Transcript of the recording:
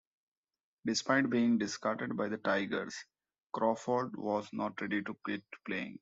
Despite being discarded by the Tigers, Crawford was not ready to quit playing.